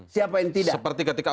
siapa yang tidak